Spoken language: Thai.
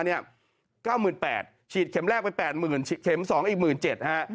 เฉียดเข็มแรกไป๘๐๐๐๐สอบเข็ม๒อีก๑๗๐๐๐นะฮะ